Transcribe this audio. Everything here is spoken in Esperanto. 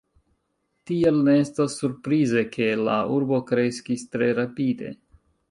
Tiel, ne estas surprize ke la urbo kreskis tre rapide.